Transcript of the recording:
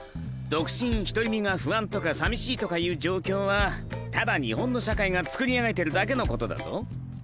独身独り身が不安とかさみしいとかいう状況はただ日本の社会が作り上げているだけのことだぞ。